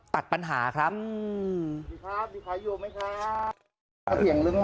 ตัดปัญหาครับ